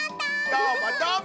どーもどーも！